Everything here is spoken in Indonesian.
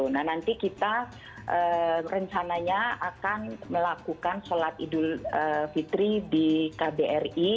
nah nanti kita rencananya akan melakukan sholat idul fitri di kbri